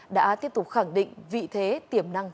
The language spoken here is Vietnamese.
đã tiếp tục khẳng định vị thế tiềm năng